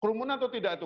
kerumunan atau tidak itu